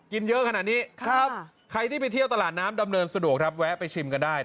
เยอะขนาดนี้ใครที่ไปเที่ยวตลาดน้ำดำเนินสะดวกครับแวะไปชิมกันได้